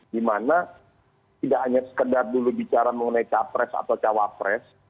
dimana tidak hanya sekedar dulu bicara mengenai capres atau cawapres